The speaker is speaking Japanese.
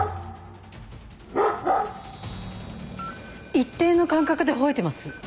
一定の間隔で吠えてます。